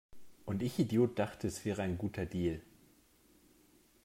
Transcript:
Und ich Idiot dachte, es wäre ein guter Deal